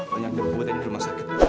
banyak yang dibuka di rumah sakit